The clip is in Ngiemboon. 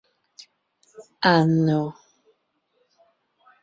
Anò.